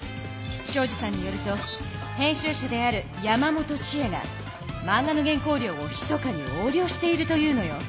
東海林さんによると編集者である山本知恵がマンガの原稿料をひそかに横領しているというのよ。